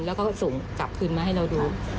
แล้วก็ส่งกลับคืนมาให้เราดู